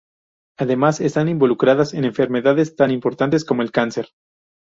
Además están involucradas en enfermedades tan importantes como el cáncer.